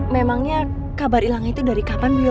memangnya kabar hilangnya itu dari kapan beliau